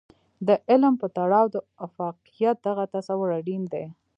د علم په تړاو د افاقيت دغه تصور اړين دی.